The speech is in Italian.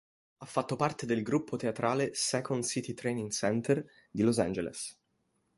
Ha fatto parte del gruppo teatrale Second City Training Center di Los Angeles.